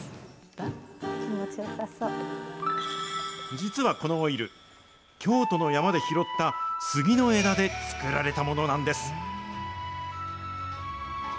実はこのオイル、京都の山で拾った杉の枝で作られたものなんです。